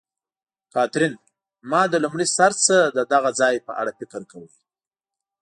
کاترین: ما له لومړي سر نه د دغه ځای په اړه فکر کاوه.